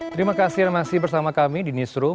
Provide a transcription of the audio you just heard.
terima kasih yang masih bersama kami di newsroom